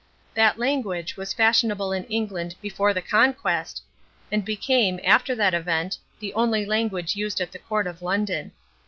That language was fashionable in England before the Conquest, and became, after that event, the only language used at the court of London.